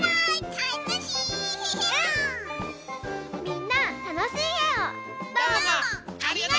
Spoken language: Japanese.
みんなたのしいえを。